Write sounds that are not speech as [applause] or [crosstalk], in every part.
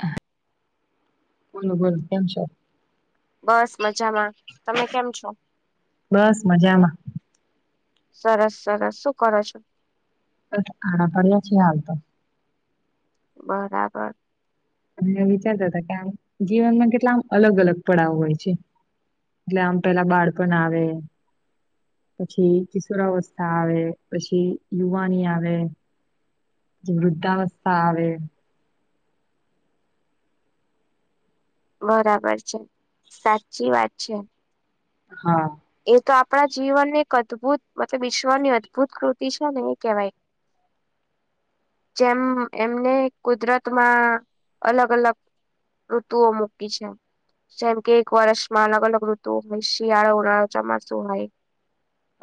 હા, બોલો, બોલો કેમ છો? બસ, મજામાં. તમે કેમ છો? બસ મજામાં. સરસ, સરસ, સું કરો છો? આડા પડ્યા છીએ, હાલ તો. બરાબર અને વિચારતા હતા કે આમ જીવનમાં કેટલા આમ અલગ અલગ પડાવો હોય છે. એટલે આમ પેલા બાળપન આવે, પછી કિશોરાવસ્થા આવે, પછી યુવાની આવે પછી વૃદ્ધાવસ્થા આવે બરાબર છે, સાચી વાત છે. હા એ તો આપણા જીવનને એક અદભુત, મતલબ ઈશ્વરની અદભુત કૃતિ છે ને, એવુ કહેવાય. [inaudible] જેમ એમને કુદરતમાં અલગ અલગ ઋતુઓ મૂકી છે જેમ કે એક વરસમાં અલગ અલગ ઋતુઓ હોય શિયાળો. ચોમાસું હોય,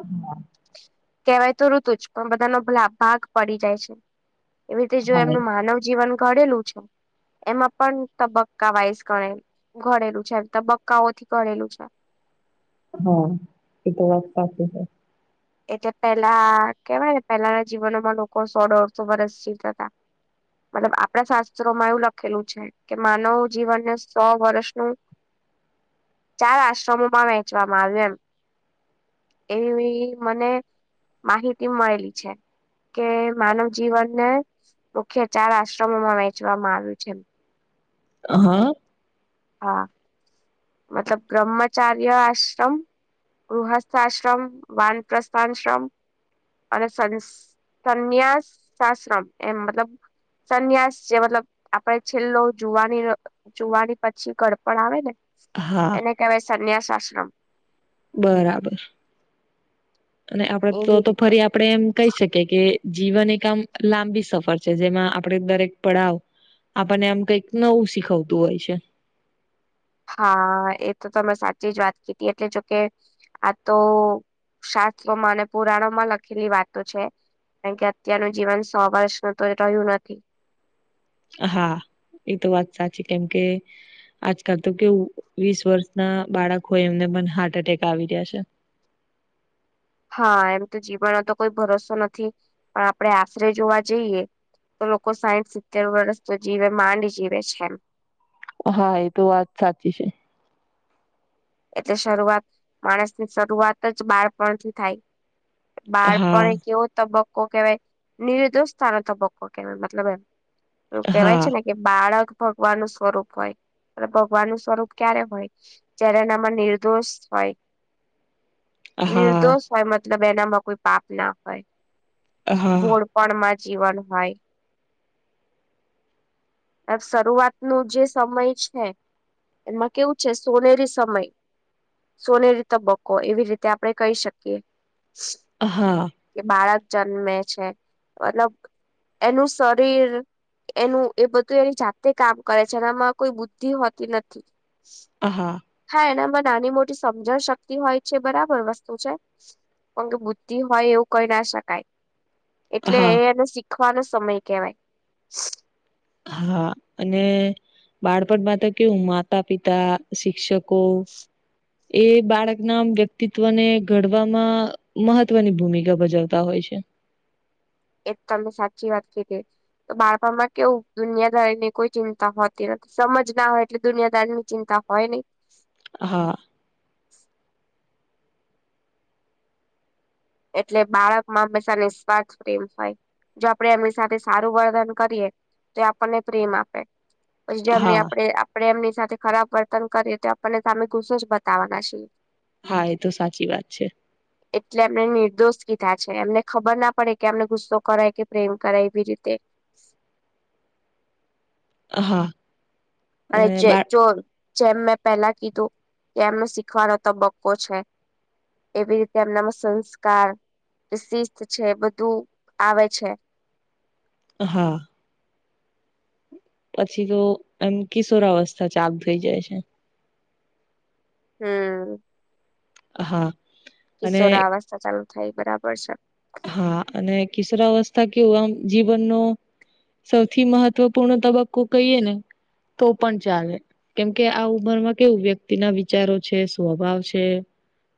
હમ. કહેવાય તો ઋતુ જ પણ બધાનો ભલા ભાગ પડી જાય છે. એવી રીતે જો હા એમનું માનવ જીવન કરેલું છે. એમાં પણ તબક્કાવાઈસ ઘ ઘડેલું છે તબક્કાઓથી ઘડેલું છે. [inaudible] હા એ તો વાત સાચી છે. એટલે પેલા કેવાય ને પહેલાના જીવનોમાં લોકો સો દોઢસો વર્ષ જીવતા હતા. મતલબ આપણા શાસ્ત્રોમાં એવું લખેલું છે કે માનવ જીવનને સો વર્ષનું ચાર આશ્રમોમાં વહેંચવામાં આવ્યું એમ. એવી મને માહિતી મળેલી છે. કે માનવ જીવનને મુખ્ય ચાર આશ્રમોમાં વેચવામાં આવ્યું છે. હા. હા મતલબ બ્રહ્મચાર્ય આશ્રમ ગૃહસ્થાશ્રમ, વાન પ્રસ્થાનશ્રમ. અને સંસ સંન્યાસ આશ્રમ એમ મતલબ સંન્યાસ છે મતલબ આપણે છેલ્લો જુવાની નો જુવાની. પછી ઘડપણ આવે ને હા એને કહેવાય સંન્યાસ આશ્રમ. બરાબર અને આપડે, તો એવી તો રીતે ફરી આપડે એમ કહી શકીએ કે જીવન એક આમ લાંબી સફર છે જેમાં આપડે દરેક પડાવ આપણને એમ કઈક નવું શીખવતું હોય છે. હા એ તો તમે સાચી જ વાત કીધી એટલે જોકે આ તો શાસ્ત્રોમાં અને પુરાણોમાં લખેલી વાતો છે. કારણ કે અત્યારનું જીવન સો વર્ષનુ તો રહ્યું નથી. હા એ તો વાત સાચી કેમકે આજકાલ તો કેવું વીસ વર્ષના બાળકો એમને પણ હાર્ટ એટેક આવી રહ્યા છે. [inaudible] હા એમ તો જીવનનો તો કોઈ ભરોસો નથી પણ આપણે આશરે જોવા જઈએ તો લોકો સાઈઠ સિત્તેર વર્ષ તો જીવે માંડ જીવે છે એમ. હા એ તો વાત સાચી છે. એટલે શરૂઆત માણસની શરૂઆત જ બાળપણથી થાય. હા બાળપણ એક એવો તબક્કો તબક્કો કેવાય નિરોદોષથનો તબક્કો કેવાય મતલબ એમ. પેલું કેવાય હા છે ને કે બાળક ભગવાનનું સ્વરૂપ હોય એ ભગવાન નું સ્વરૂપ ક્યારે હોય. જ્યારે એનામાં નિર્દોષ હોય હા નિર્દોષ હોય મત મતલબ એનામાં કોઈ પાપ ના હોય. હા ભોળપણમાં જીવન હોય. શરૂઆતનો જે સમય છે. એમાં કેવું છે સોનેરી સમય. સોનેરી તબબકો એવી રીતે આપડણે કહી શકીએ. હા કે બાળક જન્મે છે મતલબ એનું શરીર એનું એ બધું એની જાતે કામ કરે છે એનામાં કોઈ બુદ્ધિ હોતી નથી. હ હા. હા એનામાં નાની મોટી સમજણ શક્તિ હોય છે બરાબર વસ્તુ છે. પણ કે બુદ્ધિ હોય એવું કહી ના શકાય. એટલે હા એ એનો શીખવાનો સમય કેવાય હા અને બાળપણમાં તો કેવું માતા, પિતા, શિક્ષક કો. એ બાળકના વ્યક્તિત્વને ઘડવામાં મહત્વની ભૂમિકા ભજવતા હોય છે. એજ તમમે સાચી વાત કીધી. તો બાળપણમાં કેવું દુનિયાદારી ની કોઈ ચિંતા હોતી નથી સમજ ના હોય એટલે દુનિયાદારની ચિંતા ચિંતા હોય નહી. હા. એટલે બાળક માંં બશાને નિસ્વાર્થ પ્રેમ હોય. જો આપડે એમની સાથે સારું વર્દન કરીએ તો આપણને પ્રેમ આપે. પછી એમને હા આપે આપડે એમને સાથે ખરાબ વર્તન કરીએ તો આપણને સામે ગુસ્સો જ બતાવવાના છીએ. હા એ તો સાચી વાત છે. એટલે એમને નિર્દોષ કીધા છે એમને ખબર ના પડે કે અમને ગુસ્સો કરાય કે પ્રેમ કરાય એવી રીતે હા અરે અને છે બા ચોર જેમ મેં પહેલા કીધું કેમ શીખવાનો તબક્કો છે. એવી રીતે એમનામાં સંસ્કાર શિસ્ત છે બધું આવે છે. હા પછી તો એમ કિશોર અવસ્થા ચાલુ થઈ જાય છે. હમ્મ. હા. અને કિશોર અવાસ્થા ચાલુ થાય બરાબર છે. હા અને કિશોર અવસ્થા કેવું આમ જીવન નો સૌથી મહત્વપૂર્ણ તબક્કો કહીએ ને તો પણ ચાલે કેમકે આ ઉંમરમાં કેવું વ્યક્તિના વિચારો છે સ્વભાવ છે.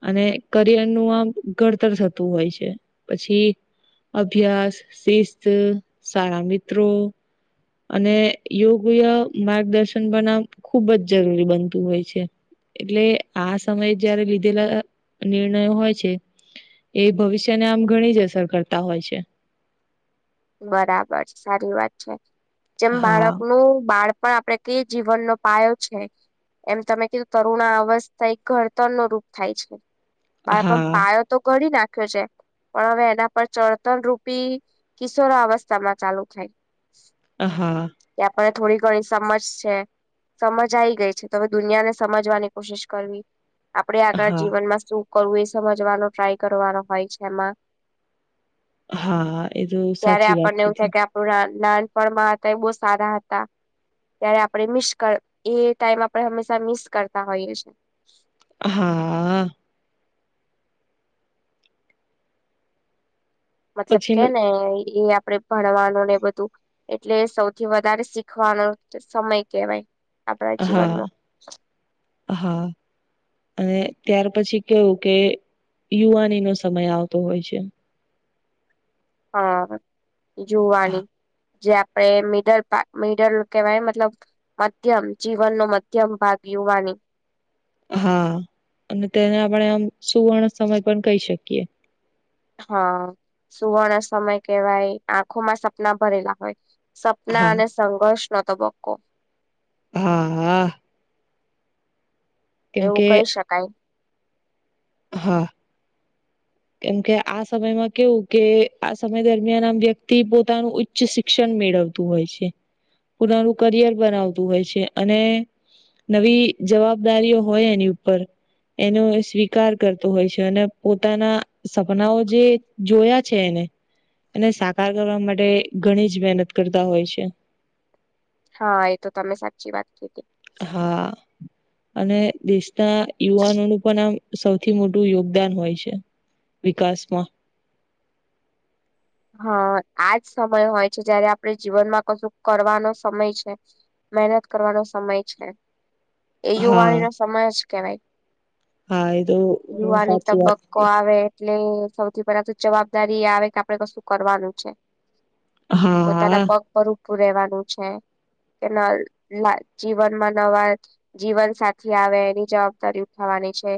અને કરિયર નું આમ ઘડતર થતું હોય છે. પછી અભ્યાસ શિસ્ત સારા મિત્રો અને યોગ્ય માર્ગદર્શન બનાવ ખુબ જ જરૂરી બનતું હોય છે. એટલે આ સમયે જયારે લીધેલા નિર્ણયો હોય છે. એ ભવિષ્યને આમ ઘણી જ અસર કરતા હોય છે. બરાબર સારી વાત છે જેમ હા, બાળકનું બાળ પણ આપડે ક જીવનનો પાયો છે. એમ તમે કીધું તરુણ અવસ્થા એક ઘડતર ન રૂપ થાય છે. બાળપ હા, પાયો તો ઘડી નાખ્યો છે પણ હવે એના પર ચળતણ રૂપી કિશોરા અવસ્થા માં ચાલુ થાય. હ હા અને થોડી ઘણી સમજ છે. સમજ આવી ગઈ છે તો હવે દુનિયાને સમજવાની કોશિશ કરવી આપડે આગળ હા, જીવનમાં શું કરવું એ સમજવાનો ટ્રાય કરવાનો હોય છે એમાં હા એ તો ત્યારે સાચી વાત આપણને એવું કીધી. થાય કે આપણું નાનપણમાં હતા એ બહુ સારા હતા. ત્યારે આપણે મિસ એ ટાઈમ આપણે હંમેશા મિસ કરતા હોઈએ છીએ. હા મતલબ પછીનું કેને એ આપડે ભણવાનું ને બધું એટલે સૌથી વધારે શીખવાનો સમય કેવાય આપણા હા, જીવનમાં હા અને ત્યાર પછી કેવું કે યુવાની નો સમય આવતો હોય છે. હ જુવાની જે આપડે મીડલ પાક મિડલ કેવાય મતલબ મધ્યમ જીવનનો મધ્યમ ભાગ જુવાની હા અને તેને આપણે આમ સુવર્ણ સમય પણ કહી શકીએ હા સુવર્ણ સમય કેવાય આંખોમાં સપના ભરેલા હોય. સપના અને હા સંઘર્ષ નો તબક્કો હા હા. એવું કેમકે કહી શકાય હા કેમકે આ સમયમાં કેવું કે આ સમય દરમિયાન આમ વ્યક્તિ પોતાનું ઉચ્ચ શિક્ષણ મેળવા હોય પોતાનું કરિયર બનાવતું હોય છે અને નવી જવાબદારીઓ હોય એની ઉપર એનો સ્વીકાર સ્વીકાર કરતો હોય છે અને પોતાના સપનાઓ જે જોયા છે એને એને સાકાર કરવા માટે ઘણી જ મહેનત કરતા હોય છે હા એ તો તમે સાચી વાત કીધી હા અને દેશના યુવાનોનું પણ આમ સૌથી મોટું યોગદાન હોય છે વિકાસમાં હા આજ સમય હોય છે જયારે આપણે જીવનમાં કશું કરવાનો સમય છે મહેનત કરવાનો સમય છે એ હા યુવાનીનો સમય જ કેવાય હા એ તો યુવાની સાચી વાત તબક્કો છે આવે એટલે સૌથી પેલા તો જવાબદારી આવે કે આપડે કશું કરવાનું છે. પોતાના હા પગ પર ઊભું રહેેવાનું છે. કે જીવનમાં નવા જીવન સાથી આવે એની જવાબદારી ઉઠાવવા આવાની છે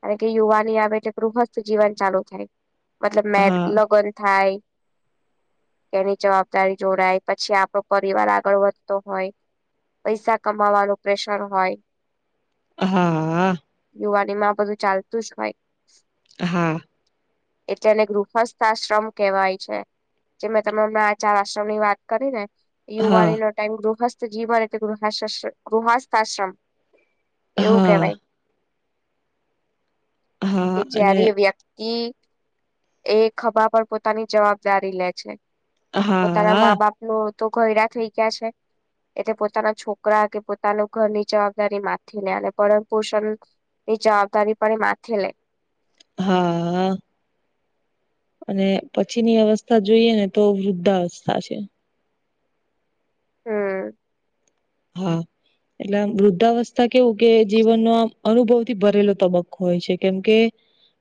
કાર કે યુવાની આવે તે ગૃહસ્થ જીવન ચાલુ થાય. મતલબ મે હા લગ્ન થાય. એની જવાબદારી જોડાય પછી આપણો પરિવાર આગળ વધતો હોય પૈસા કમાવાનું પ્રેશર હોય હા હા યુવાની માં આ બધું ચાલતું જ હોઈ હા એટલે એને ગૃહસ્થાશ્રમ કેવાય છે જે તમે હમણા આચાર આશ્રમ ની વાત કરી ને હા યુવાની નો ટાઈમ ગૃહસ્થ જીવન તે ગૃહ ગૃહસ્થાશ્રમ એવું હા કેહેવાય કે હા અને જ્યારે વ્યક્તિ એ ખભા પર પોતાની જવાબદારી લે છે પોતાના હા મા બાપ ન તો ઘયડા થઈ ગયા છે એટલે પોતાના છોકરા કે પોતાનું ઘરની જવાબદારી માથે આને અને પરણ પોષણ એ જવાબદારી પણ એ માથે લે હા અને પછીની અવસ્થા જોઈએ ને તો વૃદ્ધાવસ્થા છે હમ હા એટલે આમ વૃદ્ધાવસ્થા કેવું કે જીવનનો આમ અનુભવ થી ભરેલો તબક્કો હોય છે કેમ કે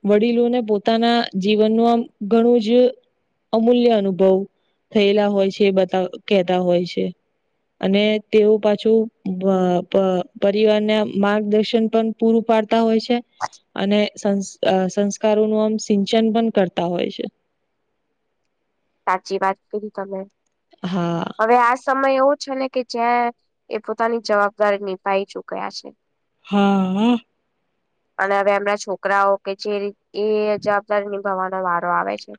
વડીલોને પોતાના જીવનનું આમ ઘણું જ અમૂલ્ય અનુભવ થયેલા હોય છે એ બતા કહેતા હોય છે અને તેઓ પાછું પ પ પરિવાર ના માર્ગદર્શન પણ પૂરું પાડતા હોય છે અને સંસાર અ સંસ્કારોનું આમ સિંચન પણ કરતા હોય છે સાચી વાત કરી તમે હા હવે આ સમય એવો છે ને કે જ્યાં એ પોતાની જ હા અને હવે એમના છોકરાઓ કે જે એ જવાબદારી નિભવાનો વારો આવે છે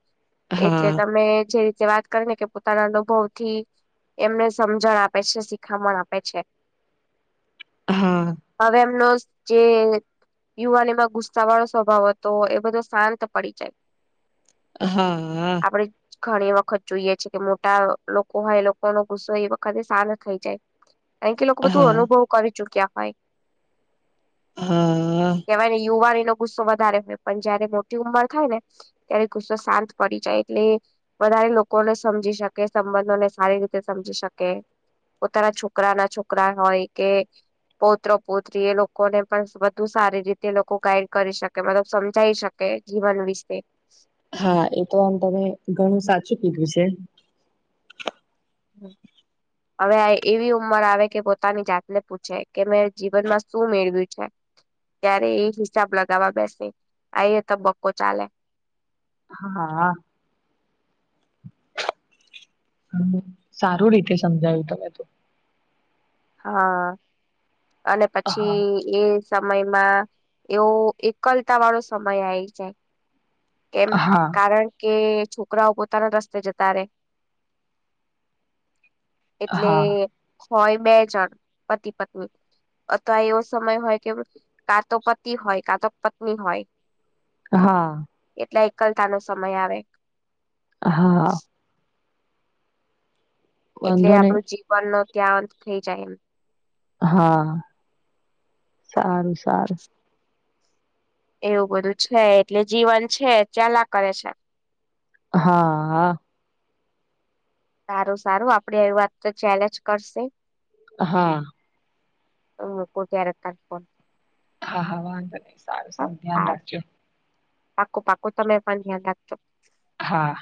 એટલે હા તમે જે રીતે વાત કરીને કે પોતાના અનુભવ થી એમને સમજણ આપે છે શીખામણ આપે છે હા હવે એમનો જે યુવાનમાં ગુસ્સા વાળો સ્વભાવ હતો એ બધો શાંત પડી જાય હા હ. આપડે ઘણી વખત જોઈએ છે કે મોટા હોય, લોકો નો ગુસ્સો એ વખતે શાત થઈ જાય, ક કે લોકો બધું હા અનુભવ કરી ચુક્યા. હા કેવાયને યુવા ર ગુસ્સો વધારે હોય, પણ જયારે મોટી ઉંમર થાય ને, ત્યારે ગુસ્સો શાંત પડી જાય, એટલે. વધારે લોકોને સમજી શકે, સંબંધોને સારી રીતે સમજી શકે. પોતાના છોકરા ના છોકરા હોય કે? પૌત્ર, પૌત્રી એ લોકોને પણ બધુ સારી રીતે લોકો ગાઈડ કરી શકે, મતલબ સમજાઈ શકે. જીવન વિશે. હા, એ તો આમ તમે ઘણું સાચું કીધું છે. હમ. હવે એવી ઉંમર આવે કે પોતાની જાતને પૂછે કે, મેં જીવનમાં શું મેળવ્યું છે? ત્યારે એ હિસાબ લગાવવા બેસે અ તબક્કો ચાલે. હા સારું રીતે સમજાયું તમે તો હા અને હા પછી એ સમયમાં એવો એકલતા વાળો સમય આવી જાય કેમ હા કારણ કે છોકરાઓ પોતાના રસ્તે જતા રહેે એટલે હા હોય બે જણ, પતિ-પત્ની. અથવા એવો સમય હોય કે કાતો પતિ હોય, કાતો પત્ની હોય. હા. એટલે એકલતા નો સમય આવે. હા એટલે વાંધો નહી આપણું જીવનનો ત્યાં અંત થઇ જાય, એમ. હા, સારું સારું. એવું બધું છે એટલે જીવન છે, ચલયા કરે છે. હા હા. સારું સારું, આપડે એવી વાત તો ચાલીયા જ કરશે. હા. હમ, કો કયારે ત ફન. હા હા, વાંધો નહીં. સારું સારું, ધ્યાન હા રાખજો. પાકું પાકું, તમે પણ ધ્યાન રાખજો. હા.